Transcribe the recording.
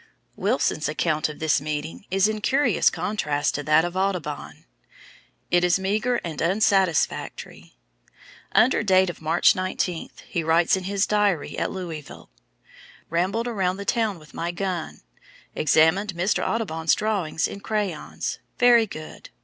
Wilson's account of this meeting is in curious contrast to that of Audubon. It is meagre and unsatisfactory. Under date of March 19, he writes in his diary at Louisville: "Rambled around the town with my gun. Examined Mr. 's [Audubon's] drawings in crayons very good.